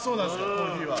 コーヒーは。